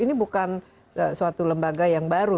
ini bukan suatu lembaga yang baru